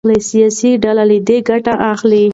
سياسي ډلې له دې ګټه اخلي.